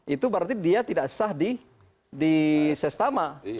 itu berarti dia tidak sah di sestama